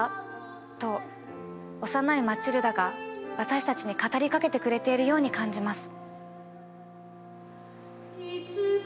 と幼いマチルダが私たちに語りかけてくれているように感じます。